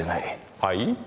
はい？